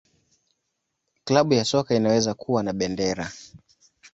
Klabu ya soka inaweza kuwa na bendera.